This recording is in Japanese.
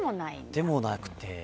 でもなくて。